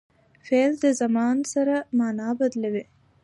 فعل د زمان سره مانا بدلوي.